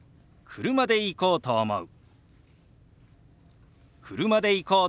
「車で行こうと思う」。